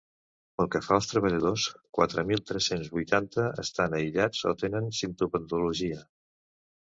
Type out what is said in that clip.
Pel que fa als treballadors, quatre mil tres-cents vuitanta estan aïllats o tenen simptomatologia.